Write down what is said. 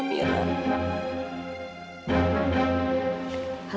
amirowania akan kebingungan